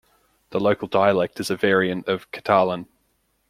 The local dialect is a variant of Catalan.